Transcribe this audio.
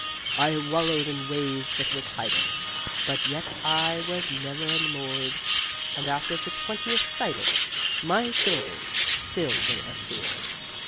I wallowed in waves that were tidal, But yet I was never unmoored; And after the twentieth seidel My syllables still were assured.